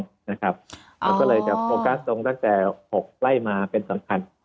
เกี่ยวข้องนะครับอ๋อก็เลยจะโปรกัสตรงตั้งแต่หกไล่มาเป็นสำคัญ